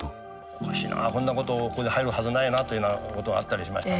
おかしいなこんなことここで入るはずないなというようなことあったりしまして。